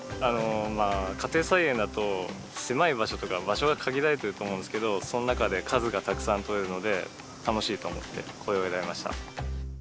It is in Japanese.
家庭菜園だと狭い場所とか場所が限られてると思うんですけどその中で数がたくさんとれるので楽しいと思ってこれを選びました。